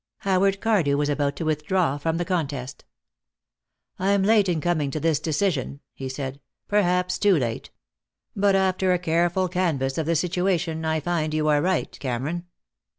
Howard Cardew was about to withdraw from the contest. "I'm late in coming to this decision," he said. "Perhaps too late. But after a careful canvas of the situation, I find you are right, Cameron.